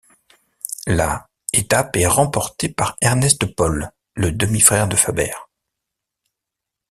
La étape est remportée par Ernest Paul, le demi-frère de Faber.